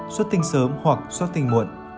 xuất tình sớm hoặc xuất tình muộn